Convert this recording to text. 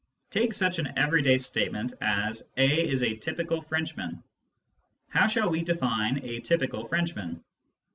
Take such an every day statement as "a is a typical Frenchman." How shall we define a " typical " Frenchman